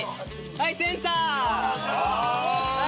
はいセンター！